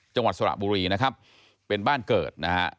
จังหวัดสละบุรีเป็นบ้านเกิด